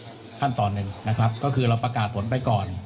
ขั้นตอนหนึ่งนะครับก็คือเราประกาศผลไปก่อน